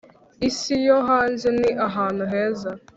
isi yo hanze ni ahantu heza